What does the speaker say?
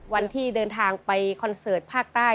วันที่เดินทางไปคอนเสิร์ตภาคใต้